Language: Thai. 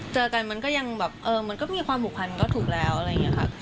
เจอกันมันก็ยังแบบเออมันก็มีความผูกพันก็ถูกแล้วอะไรอย่างนี้ค่ะ